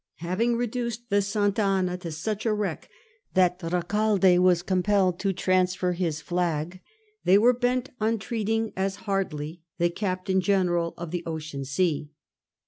Having reduced the Santa Anna to such a wreck that Recalde was compelled to transfer his flag, they were bent on treating as hardly the Captain General of the Ocean Sea.